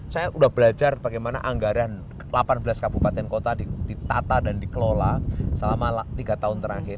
saya sudah belajar bagaimana anggaran delapan belas kabupaten kota ditata dan dikelola selama tiga tahun terakhir